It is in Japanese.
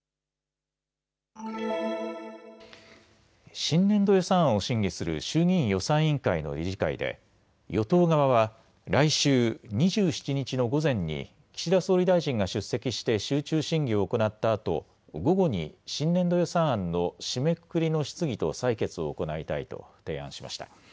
新年度予算案を審議する衆議院予算委員会の理事会で与党側は来週２７日の午前に岸田総理大臣が出席して集中審議を行ったあと午後に新年度予算案の締めくくりの質疑と採決を行いたいと提案しました。